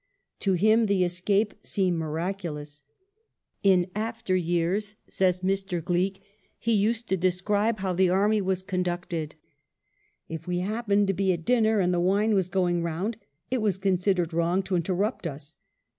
To him the escape seemed miraculous. In after years, says Mr. Gleig, he used to describe how the army was conducted. "If we happened to be at dinner and the wine was going round, it was considered wrong to interrupt us.